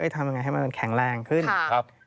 ทำอย่างไรให้มันแข็งแรงขึ้นครับ